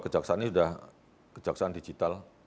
kejaksaan ini sudah kejaksaan digital